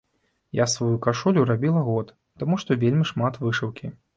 Я сваю кашулю рабіла год, таму што вельмі шмат вышыўкі.